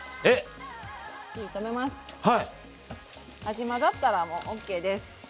味混ざったらもうＯＫです。